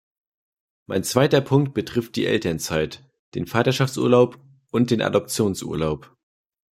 Mein zweiter Punkt betrifft die Elternzeit, den Vaterschaftsurlaub und den Adoptionsurlaub.